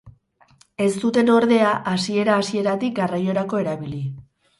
Ez zuten ordea hasiera hasieratik garraiorako erabili.